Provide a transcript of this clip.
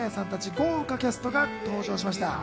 豪華キャストが登場しました。